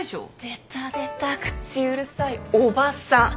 出た出た口うるさいおばさん。